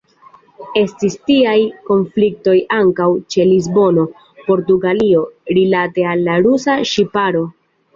Estis tiaj konfliktoj ankaŭ ĉe Lisbono, Portugalio, rilate al la rusa ŝiparo.